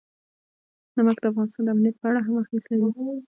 نمک د افغانستان د امنیت په اړه هم اغېز لري.